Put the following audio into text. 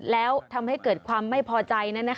แล้วทำให้เกิดความไม่พอใจ